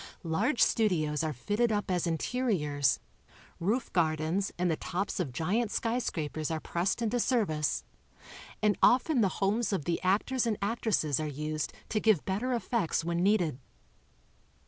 Large studios are fitted up as interiors, roof gardens and the tops of giant skj scrapers are pressed into service and often the homees of the actors and actresses are used to give better effects when needed.